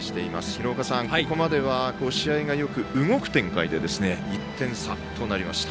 廣岡さん、ここまでは試合がよく動く展開で１点差となりました。